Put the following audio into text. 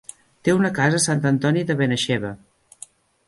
Té una casa a Sant Antoni de Benaixeve.